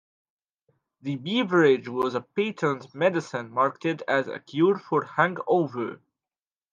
The beverage was a patent medicine marketed as a cure for hangover.